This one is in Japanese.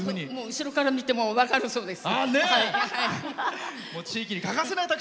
後ろから見ても分かるそうです。